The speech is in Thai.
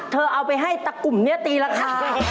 เอาไปให้ตะกลุ่มนี้ตีราคา